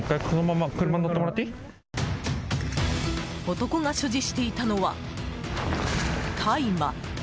男が所持していたのは大麻。